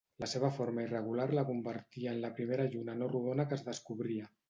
La seva forma irregular la convertia en la primera lluna no rodona que es descobria.